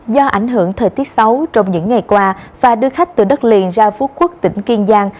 do ảnh hưởng thời tiết xấu trong những ngày qua và đưa khách từ đất liền ra phú quốc tỉnh kiên giang